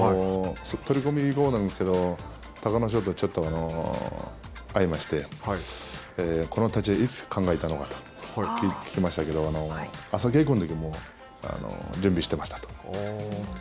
取組後なんですけど隆の勝とちょっと会いましてこの立ち合い、いつ考えたのかと聞きましたけど朝稽古のときに準備していましたと。